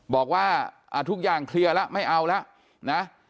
บอกว่าทุกอย่างเคลียร์แล้วไม่เอาแล้วนะ